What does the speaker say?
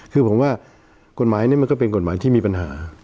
คือผมว่ากฎหมายนี้มันก็เป็นกฎหมายที่มีปัญหา